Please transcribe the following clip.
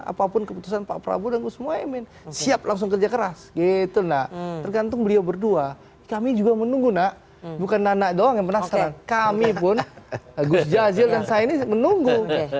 apapun keputusan pak prabowo dan gus mohaimin siap langsung kerja keras gitu nak tergantung beliau berdua kami juga menunggu nak bukan nana doang yang penasaran kami pun gus jazil dan saya ini menunggu